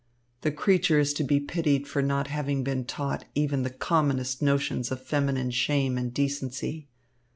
The creature is to be pitied for not having been taught even the commonest notions of feminine shame and decency.